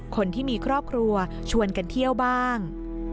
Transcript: คนที่มีครอบครัวชวนกันเที่ยวบ้าง